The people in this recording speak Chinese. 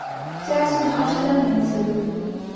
嘉庆二十三年卒。